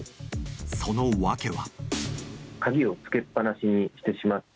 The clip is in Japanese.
その訳は。